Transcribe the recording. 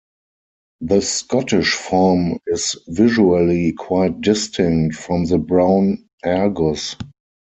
The Scottish form is visually quite distinct from the brown argus.